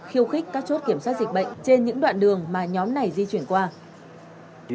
khiêu khích các chốt kiểm soát dịch bệnh trên những đoạn đường mà nhóm này di chuyển qua